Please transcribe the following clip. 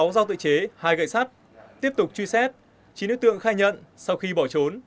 sáu dao tự chế hai gậy sắt tiếp tục truy xét chín đối tượng khai nhận sau khi bỏ trốn